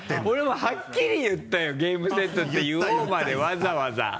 俺ははっきり言ったよ「ゲームセットって言おう」までわざわざ。